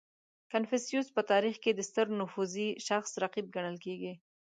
• کنفوسیوس په تاریخ کې د ستر نفوذي شخص رقیب ګڼل کېږي.